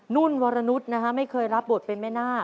นุ่นวรนุษย์นะฮะไม่เคยรับบทเป็นแม่นาค